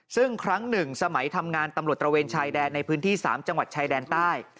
ซึ่งครั้งหนึ่งสมัยทำงานตำรวจตระเวนชายแดนในพื้นที่๓จังหวัดชายแดนใต้